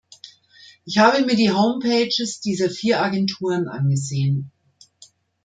Ich habe mir die Homepages dieser vier Agenturen angesehen.